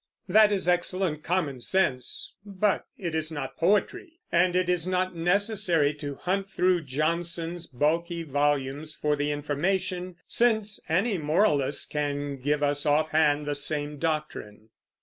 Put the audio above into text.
That is excellent common sense, but it is not poetry; and it is not necessary to hunt through Johnson's bulky volumes for the information, since any moralist can give us offhand the same doctrine.